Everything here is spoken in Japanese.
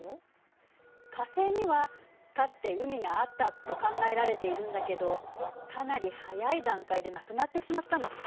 火星にはかつて海があったと考えられているんだけどかなり早い段階でなくなってしまったの。